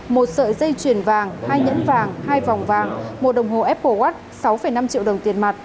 một sợi dây chuyền vàng hai nhẫn vàng hai vòng vàng một đồng hồ apple watt sáu năm triệu đồng tiền mặt